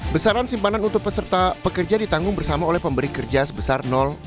besaran simpanan untuk peserta pekerja ditanggung bersama oleh pemberi kerja sebesar